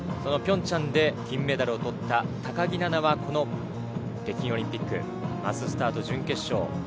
ピョンチャンで金メダルを取った高木菜那は、北京オリンピック、マススタート準決勝。